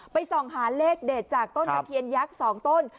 ส่องหาเลขเด็ดจากต้นตะเคียนยักษ์๒ต้น